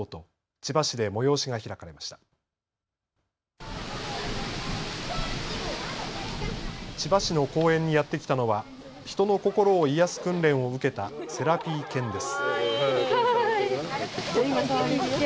千葉市の公園にやって来たのは、人の心を癒やす訓練を受けたセラピー犬です。